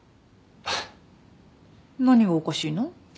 ふっ何がおかしいの？